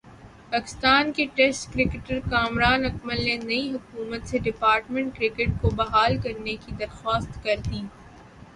پاکستان کے ٹیسٹ کرکٹرکامران اکمل نے نئی حکومت سے ڈپارٹمنٹ کرکٹ کو بحال کرنے کی درخواست کردی۔